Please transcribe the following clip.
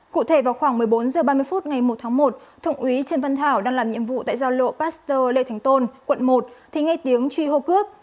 cụ thể vào khoảng một mươi bốn h ba mươi phút ngày một tháng một thượng úy trần văn thảo đang làm nhiệm vụ tại giao lộ pasteur lê thánh tôn quận một thì nghe tiếng truy hô cướp